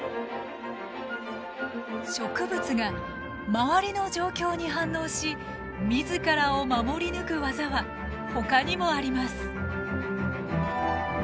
植物が周りの状況に反応し自らを守り抜く技はほかにもあります。